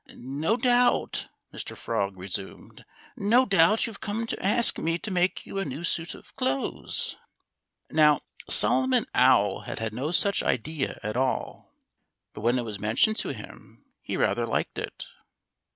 "No doubt—" Mr. Frog resumed—"no doubt you've come to ask me to make you a new suit of clothes." Now, Solomon Owl had had no such idea at all. But when it was mentioned to him, he rather liked it.